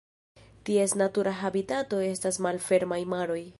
Ties natura habitato estas malfermaj maroj.